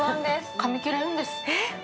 かみ切れるんです！